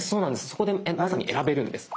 そこでまさに選べるんです。